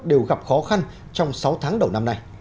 đều gặp khó khăn trong sáu tháng đầu năm nay